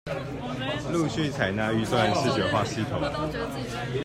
陸續採納預算視覺化系統